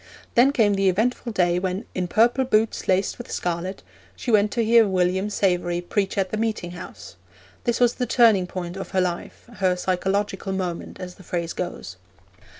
Then came the eventful day when 'in purple boots laced with scarlet' she went to hear William Savery preach at the Meeting House. This was the turning point of her life, her psychological moment, as the phrase goes.